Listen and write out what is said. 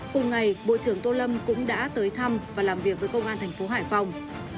cùng ngày bộ trưởng tô lâm cũng đã tới thăm và làm việc với công an tp hải phòng